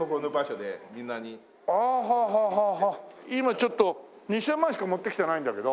今ちょっと２０００万しか持ってきてないんだけど。